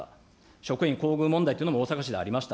職員厚遇問題というのも大阪市でありました。